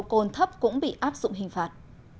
cồn thấp cũng bị áp dụng hình phạt